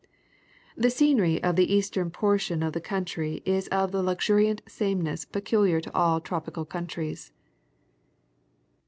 The scenery of the eastern portion of the country is of the luxuriant sameness peculiar to all tropical countries.